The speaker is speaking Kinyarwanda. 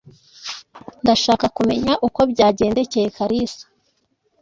Ndashaka kumenya uko byagendekeye Kalisa.